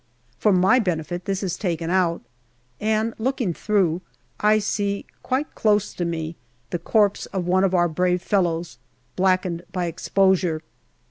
For my benefit this is taken out, and looking through, I see quite close to me the corpse of one of our brave fellows, blackened by exposure.